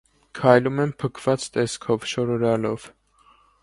Քայլում են փքված տեսքով, շորորալով։